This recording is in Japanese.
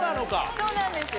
そうなんですよ